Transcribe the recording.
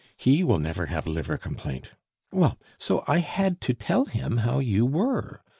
He will never have liver complaint! Well, so I had to tell him how you were.